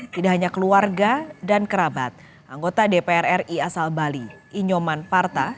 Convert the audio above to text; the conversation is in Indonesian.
tidak hanya keluarga dan kerabat anggota dpr ri asal bali inyoman parta